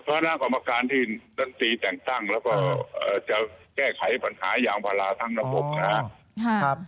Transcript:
คณะกรรมการที่ตังค์แต่งตั้งแล้วแชร์ไขผลขายาวแผลทางระบบ